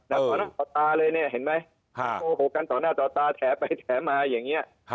ต่อหน้าต่อตาเลยเนี่ยเห็นไหมโกหกกันต่อหน้าต่อตาแถไปแถมาอย่างนี้